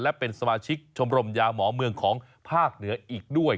และเป็นสมาชิกชมรมยาหมอเมืองของภาคเหนืออีกด้วย